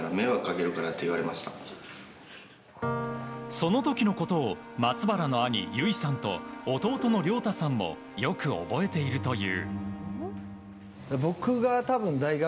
その時のことを松原の兄・侑潔さんと弟の涼雄さんもよく覚えているという。